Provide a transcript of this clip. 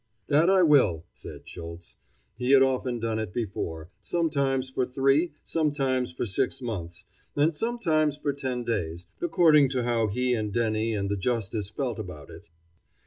"That I will," said Schultz. He had often done it before, sometimes for three, sometimes for six months, and sometimes for ten days, according to how he and Denny and the justice felt about it.